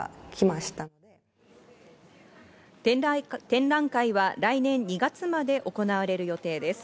展覧会は来年２月まで行われる予定です。